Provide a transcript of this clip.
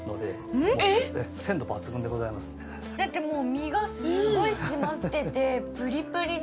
だってもう、身がすごい締まっててプリプリで。